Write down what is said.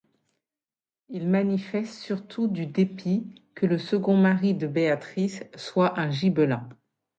Il manifeste surtout du dépit que le second mari de Béatrice soit un Gibelin.